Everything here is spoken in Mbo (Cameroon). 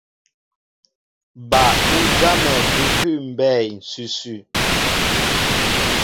Ba' ú jámɛ hʉhʉ́ mbɛɛ ǹsʉsʉ.